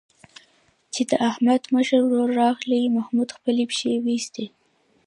چې د احمد مشر ورور راغی، محمود خپلې پښې وایستلې.